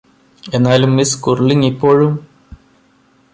എന്നാലും Miss Curling ഇപ്പോഴും